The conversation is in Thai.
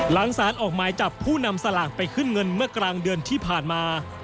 หลังสารออกหมายจับผู้นำสลากไปขึ้นเงินเมื่อกลางเดือนที่ผ่านมา